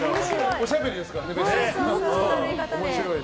おしゃべりですからね。